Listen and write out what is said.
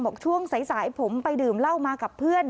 ช่วงสายผมไปดื่มเหล้ามากับเพื่อน